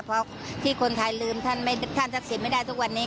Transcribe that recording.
เพราะที่คนไทยลืมท่านไม่ได้ท่านศักดิ์สิทธิ์ไม่ได้ทุกวันนี้